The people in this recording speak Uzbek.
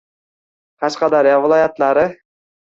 Qashqadaryo viloyatlari